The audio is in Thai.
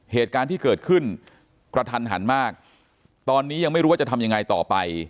เหตุการณ์ที่เกิดขึ้นกระทันหันมากตอนนี้ยังไม่รู้ว่าจะทำยังไงต่อไป